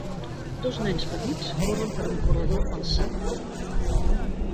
Dos nens petits corren per un corredor alçat.